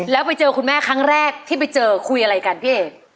แล้วไปเจอคุณแม่ที่ที่แล้วคุยคุยกันพี่เอ๋ก